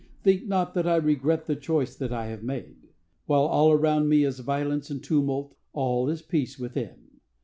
Think not that I regret the choice that I have made. While all around me is violence and tumult, all is peace within.